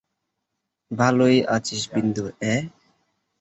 ভালোই আছিস বিন্দু, অ্যাঁ?